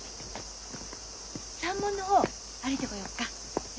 山門の方歩いてこよっか。ね！